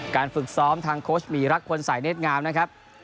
ฝึกซ้อมทางโค้ชหมีรักพลสายเนธงามนะครับ